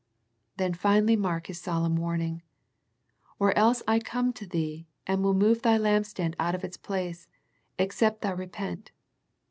Then finally mark His solemn warning. " Or else I come to thee, and will move thy lampstand out of its place, except thou re pent."